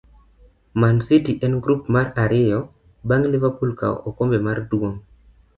Mancity en grup mara ariyo bang' Liverpool kawo okombe mar duong'